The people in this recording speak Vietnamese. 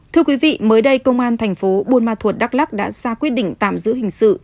thưa quý vị mới đây công an thành phố buôn ma thuột đắk lắc đã ra quyết định tạm giữ hình sự